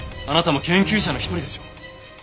あなたも研究者の一人でしょ？